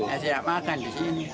tidak tidak makan di sini